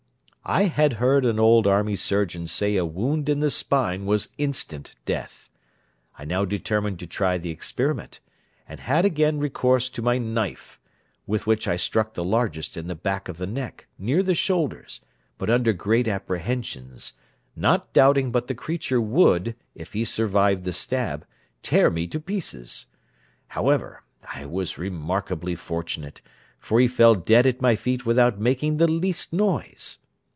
I had heard an old army surgeon say a wound in the spine was instant death. I now determined to try the experiment, and had again recourse to my knife, with which I struck the largest in the back of the neck, near the shoulders, but under great apprehensions, not doubting but the creature would, if he survived the stab, tear me to pieces. However, I was remarkably fortunate, for he fell dead at my feet without making the least noise.